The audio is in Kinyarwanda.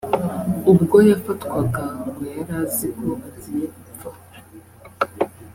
ubwo yafatwaga ngo yaraziko agiye gupfa